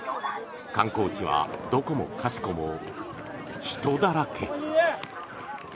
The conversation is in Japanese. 観光地はどこもかしこも人だらけ。